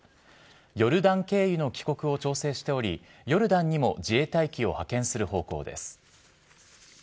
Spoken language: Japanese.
ヨルダン経由の帰国を調整しており、ヨルダンにも自衛隊機を派遣する方向です。